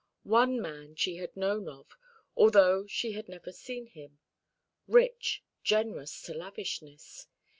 One man she had known of, although she had never seen him rich, generous to lavishness.